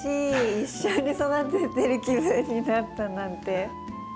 一緒に育ててる気分になったなんて。